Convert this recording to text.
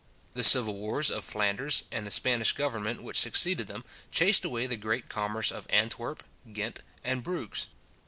The civil wars of Flanders, and the Spanish government which succeeded them, chased away the great commerce of Antwerp, Ghent, and Bruges.